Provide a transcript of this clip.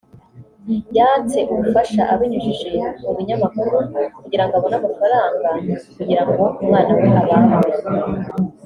yatse ubufasha abinyujije mu binyamakuru kugira ngo abone amafaranga kugira ngo umwana we abagwe